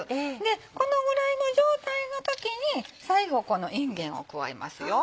このぐらいの状態の時に最後いんげんを加えますよ。